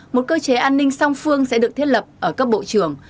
một cơ chế an ninh song phương sẽ được thiết lập ở cấp bộ trưởng